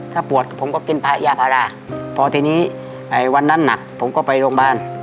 ถ้าปวดผมก็กินพระยาภาระพอทีนี้วันนั้นหนักผมก็ไปโรงพยาบาล